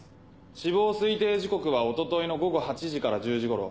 死亡推定時刻はおとといの午後８時から１０時ごろ。